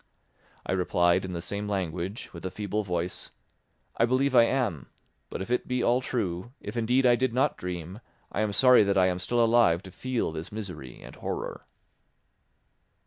I replied in the same language, with a feeble voice, "I believe I am; but if it be all true, if indeed I did not dream, I am sorry that I am still alive to feel this misery and horror."